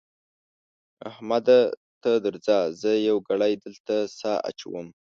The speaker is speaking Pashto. احمده ته درځه؛ زه يوه ګړۍ دلته سا اچوم.